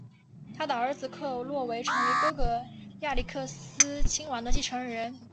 他的儿子克洛维成为哥哥亚历克西斯亲王的继承人。